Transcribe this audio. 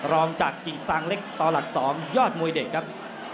รองจากกิ่งซางเล็กต่อหลัก๒ยอดมวยเด็กครับ